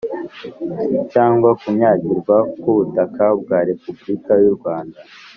Cyangwa kunyagirwa ku butaka bwa repubulika y u rwanda